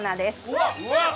うわっうわっ！